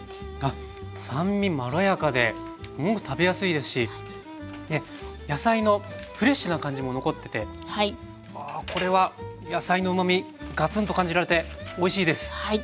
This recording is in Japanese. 酸味まろやかですごく食べやすいですしで野菜のフレッシュな感じも残っててあこれは野菜のうまみガツンと感じられておいしいです。